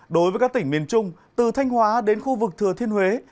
đối với các tỉnh miền trung từ thanh hóa đến khu vực thừa thiên huế